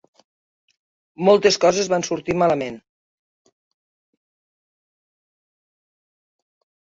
Moltes coses van sortir malament.